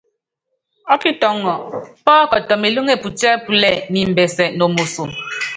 Ɔ́kitɔŋɔ pɔ́kɔtɔ melúŋe putíɛ́púlɛ́ɛ niimbɛsɛ no moso.